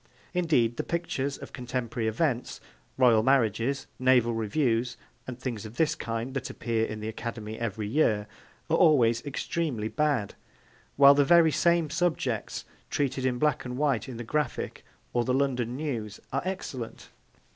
Indeed, the pictures of contemporary events, Royal marriages, naval reviews and things of this kind that appear in the Academy every year, are always extremely bad; while the very same subjects treated in black and white in the Graphic or the London News are excellent.